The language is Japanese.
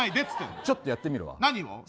ちょっとやってみるわ。